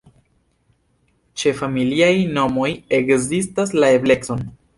Ĉe familiaj nomoj ekzistas la eblecon.